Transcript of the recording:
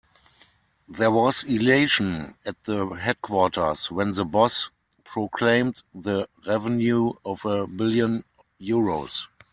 There was elation at the headquarters when the boss proclaimed the revenue of a billion euros.